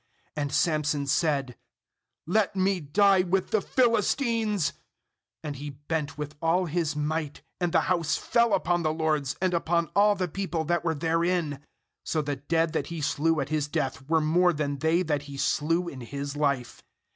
30And Samson said: 'Let me die with the Philistines/ And he bent with all his might; and the house fell upon the lords, and upon all the people that were therein. So the dead that he slew at his death were more than they that he slew in his life.